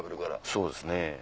そうですね。